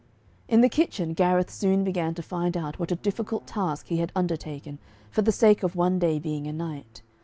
In the kitchen Gareth soon began to find out what a difficult task he had undertaken, for the sake of one day being a knight.